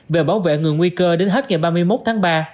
về bảo vệ người nguy cơ đến hết ngày ba mươi một tháng ba